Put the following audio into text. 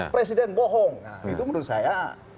presiden bohong itu menurut saya